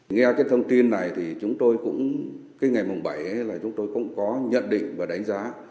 nghe cái thông tin này thì chúng tôi cũng cái ngày mùng bảy là chúng tôi cũng có nhận định và đánh giá